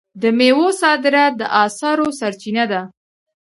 د میوو صادرات د اسعارو سرچینه ده.